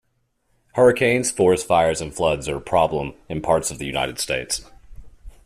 Hurricanes, forest fires and floods are a problem in parts of the United States.